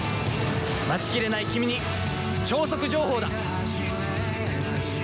待ちきれないキミに超速情報だ！